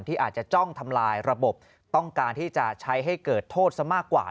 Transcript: ที่อาจจะจ้องทำลายระบบต้องการที่จะใช้ให้เกิดโทษซะมากกว่า